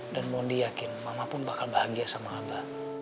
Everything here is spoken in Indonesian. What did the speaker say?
dan mondi yakin mama pun bakal bahagia sama aba